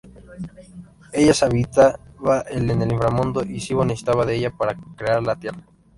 Ella habitaba en el inframundo y Sibö necesitaba de ella para crear la tierra.